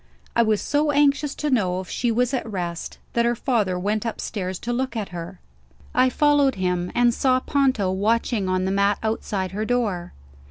I was so anxious to know if she was at rest, that her father went upstairs to look at her. I followed him and saw Ponto watching on the mat outside her door.